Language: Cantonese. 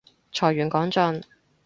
財源廣進